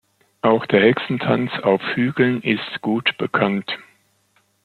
Auch der Hexentanz auf Hügeln ist gut bekannt.